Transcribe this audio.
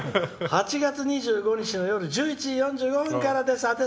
８月２５日金曜夜１１時４５分からです。